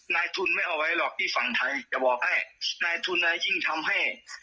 นายทุนไม่เอาไว้หรอกที่ฝั่งไทยจะบอกให้นายทุนอะไรยิ่งทำให้